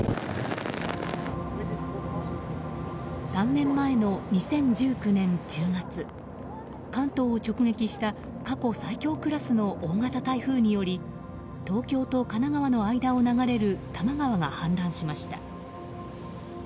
３年前の２０１９年１０月関東を直撃した過去最強クラスの大型台風により東京と神奈川の間を流れる多摩川が氾濫しました。